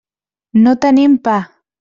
No tenim pa.